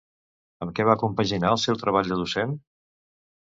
Amb què va compaginar el seu treball de docent?